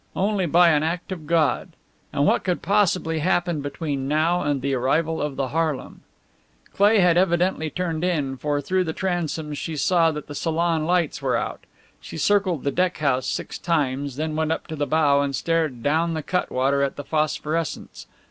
Only by an act of God! And what could possibly happen between now and the arrival of the Haarlem? Cleigh had evidently turned in, for through the transoms she saw that the salon lights were out. She circled the deck house six times, then went up to the bow and stared down the cutwater at the phosphorescence.